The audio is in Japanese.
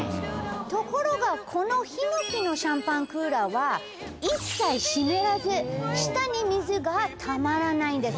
ところがこのひのきのシャンパンクーラーは一切湿らず下に水がたまらないんです。